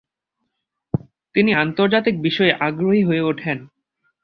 তিনি আন্তর্জাতিক বিষয়ে আগ্রহী হয়ে ওঠেন।